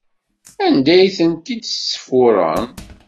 Anda ay tent-id-tesfuṛem?